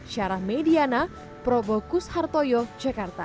syarah mediana probokus hartoyo jakarta